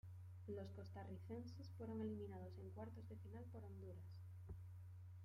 Los costarricenses fueron eliminados en cuartos de final por Honduras.